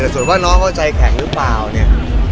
ส่วนว่าน้องเขาใจแข็งหรือเปล่าเนี่ย